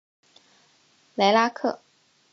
莱拉克。